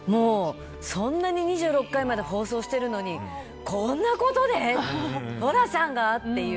そんなに２６回まで放送しているのにこんなことで、寅さんが？って。